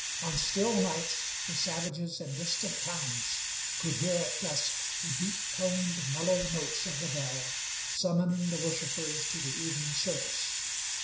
On still nights the savages in distant towns could hear at dusk the deep toned, mellow notes of the bell summoning the worshipers to the evening service.